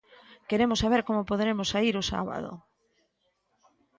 Queremos saber como poderemos saír o sábado.